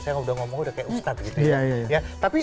saya udah ngomong udah kayak ustadz gitu ya